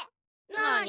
なに？